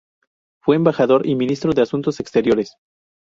Fue embajador y ministro de Asuntos Exteriores.